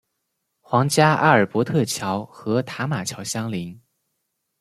皇家阿尔伯特桥和塔马桥相邻。